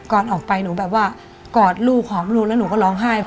ก่อนออกไปหนูแบบว่ากอดลูกหอมลูกแล้วหนูก็ร้องไห้